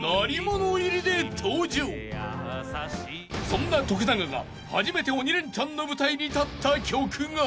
［そんな徳永が初めて『鬼レンチャン』の舞台に立った曲が］